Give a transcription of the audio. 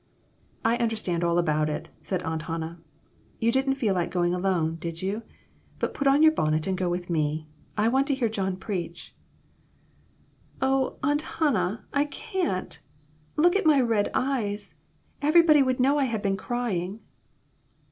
"I understand all about it," said Aunt Hannah. "You didn't feel like going alone, did you? But put on your bonnet and go with me. I want to hear John preach." " Oh, Aunt Hannah, I can't. Look at my red eyes. Everybody would know I had been crying."